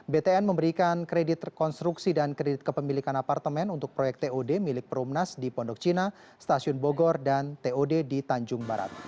btn memberikan kredit konstruksi dan kredit kepemilikan apartemen untuk proyek tod milik perumnas di pondok cina stasiun bogor dan tod di tanjung barat